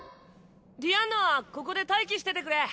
ディアンヌはここで待機しててくれ。